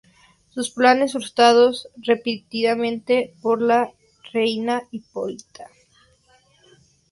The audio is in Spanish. Sus planes frustradas repetidamente por la reina Hipólita.